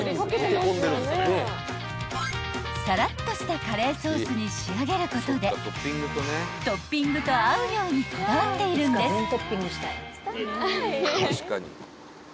［さらっとしたカレーソースに仕上げることでトッピングと合うようにこだわっているんです］